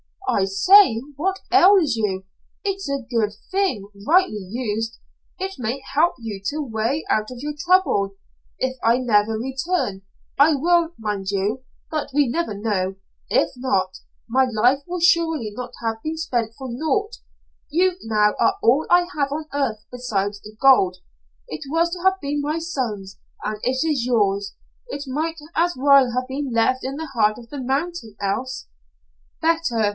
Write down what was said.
"I say, what ails you? It's a good thing, rightly used. It may help you to a way out of your trouble. If I never return I will, mind you, but we never know if not, my life will surely not have been spent for naught. You, now, are all I have on earth besides the gold. It was to have been my son's, and it is yours. It might as well have been left in the heart of the mountain, else." "Better.